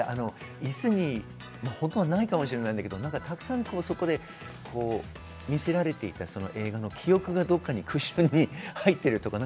イスに、本当はないかもしれないけれど、たくさんそこで見せられていた映画の記憶がクッションに入っているというか。